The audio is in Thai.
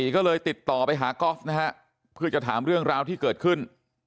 ก็เลยติดต่อไปหากอล์ฟนะฮะเพื่อจะถามเรื่องราวที่เกิดขึ้น